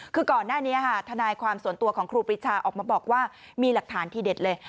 คือก่อนหน้านี้ทนายความส่วนตัวของครูปรีชาออกมาบอกว่ามีหลักฐานทีเด็ดเลย